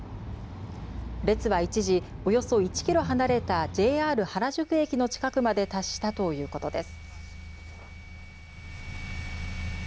列は一時、およそ１キロ離れたＪＲ原宿駅の近くまで達したということです。